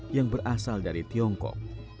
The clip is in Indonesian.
yang berasal dari tiongkok